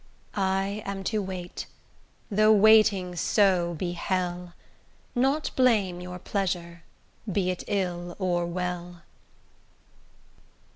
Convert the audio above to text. I am to wait, though waiting so be hell, Not blame your pleasure be it ill or well.